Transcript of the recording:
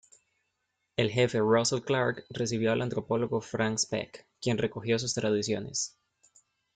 El jefe Russell Clark recibió al antropólogo Frank Speck, quien recogió sus tradiciones.